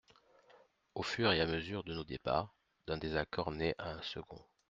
Au fur et à mesure de nos débats, d’un désaccord naît un second.